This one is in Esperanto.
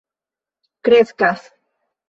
kreskas